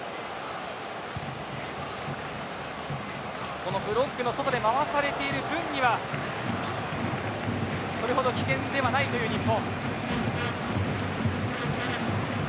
このブロックの外で回されている分にはそれほど危険ではないという日本。